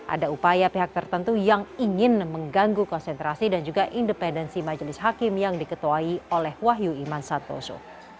ada upaya pihak tertentu yang ingin mengganggu konsentrasi dan juga independensi majelis hakim yang diketuai oleh wahyu iman santoso